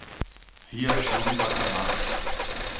Riachão do Bacamarte